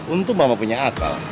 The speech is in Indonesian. untung mama punya akal